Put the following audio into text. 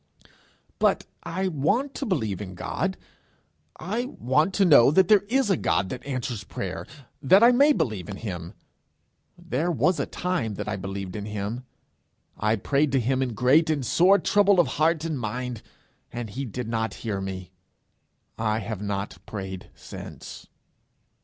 'But I want to believe in God. I want to know that there is a God that answers prayer, that I may believe in him. There was a time when I believed in him. I prayed to him in great and sore trouble of heart and mind, and he did not hear me. I have not prayed since.'